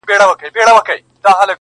څه په هنر ريچي ـ ريچي راته راوبهيدې